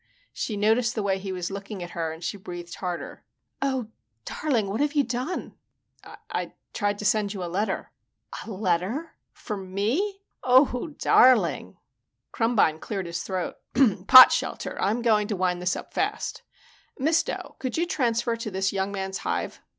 She noticed the way he was looking at her and she breathed harder. "Oh, darling, what have you done?" "I tried to send you a letter." "A letter? For me? Oh, darling!" Krumbine cleared his throat. "Potshelter, I'm going to wind this up fast. Miss Dough, could you transfer to this young man's hive?"